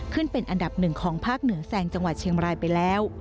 เป็นอันดับหนึ่งของภาคเหนือแซงจังหวัดเชียงรายไปแล้ว